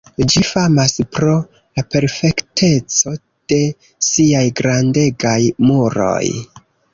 Ĝi famas pro la perfekteco de siaj grandegaj muroj.